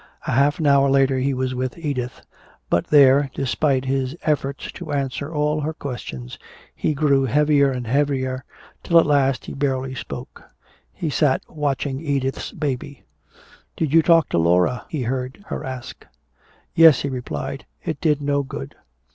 A half hour later he was with Edith; but there, despite his efforts to answer all her questions, he grew heavier and heavier, till at last he barely spoke. He sat watching Edith's baby. "Did you talk to Laura?" he heard her ask. "Yes," he replied. "It did no good."